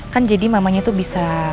kan jadi mamanya tuh bisa